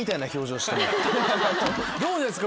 どうですか？